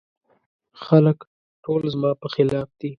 خلګ ټول زما په خلاف دي.